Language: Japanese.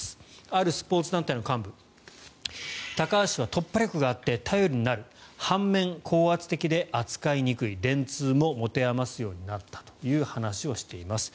あるスポーツ団体の幹部高橋氏は突破力があって頼りになる半面高圧的で扱いにくい電通も持て余すようになったという話をしています。